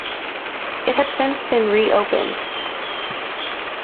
It has since been re-opened.